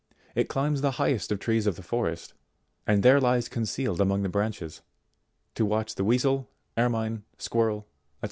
It climbs the highest trees of the forest, and there lies concealed among the branches to watch the Weasel, Ermine, Squirrel, &c.